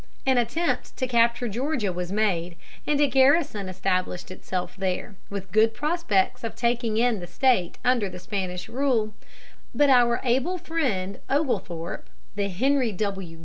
An attempt to capture Georgia was made, and a garrison established itself there, with good prospects of taking in the State under Spanish rule, but our able friend Oglethorpe, the Henry W.